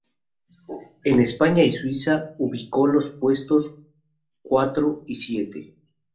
En España y Suiza ubicó los puestos cuatro y siete.